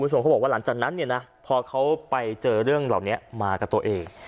คุณผู้ชมเขาบอกว่าหลังจากนั้นเนี่ยนะพอเขาไปเจอเรื่องเหล่านี้มากับตัวเอง